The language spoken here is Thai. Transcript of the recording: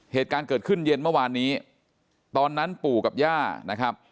เหตุการณ์เกิดขึ้นเย็นเมื่อวานนี้ตอนนั้นปู่กับย่านะครับ